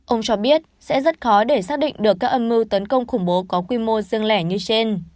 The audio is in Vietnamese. ông cho biết sẽ rất khó để xác định được các âm mưu tấn công khủng bố có quy mô riêng lẻ như trên